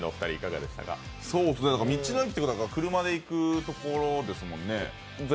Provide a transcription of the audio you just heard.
道の駅って車で行くところですよね。